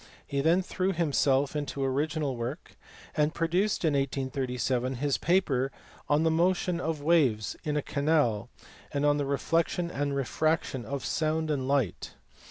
He then threw himself into original work, and produced in 1837 his paper on the motion of waves in a canal, and on the reflection and refraction of sound and light.